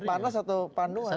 maksudnya sakit panas atau